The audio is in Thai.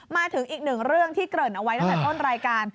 มาถึงอีกหนึ่งเรื่องที่เกริ่นเอาไว้ตั้งแต่ต้นรายการ